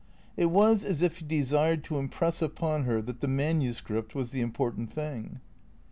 It was as if he desired to impress upon her that the manu script was the important thing.